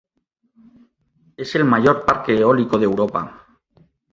Es el mayor parque eólico de Europa.